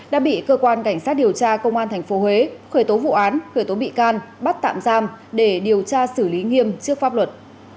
đã bị cơ quan cảnh sát điều tra công an tp huế khởi tố vụ án khởi tố bị can bắt tạm giam để điều tra xử lý nghiêm trước pháp luật